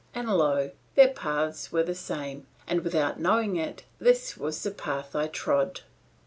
And lo! their paths were the same, and without knowing it this was the path I trod.